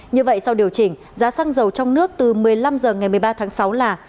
như vậy sau điều chỉnh giá xăng dầu trong nước từ một mươi năm h ngày một mươi ba tháng sáu là